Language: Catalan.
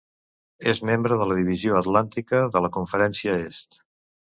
És membre de la Divisió Atlàntica de la Conferència Est.